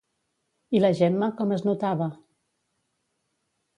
I la Gemma com es notava?